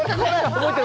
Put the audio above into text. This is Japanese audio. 覚えてる。